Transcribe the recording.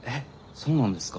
そうなんですか？